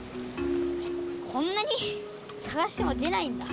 こんなに探しても出ないんだ。